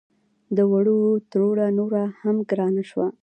د وړو تروړه نوره هم ګرانه شوه